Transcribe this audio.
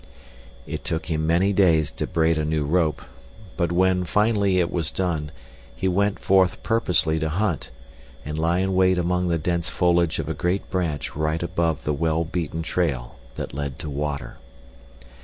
It took him many days to braid a new rope, but when, finally, it was done he went forth purposely to hunt, and lie in wait among the dense foliage of a great branch right above the well beaten trail that led to water.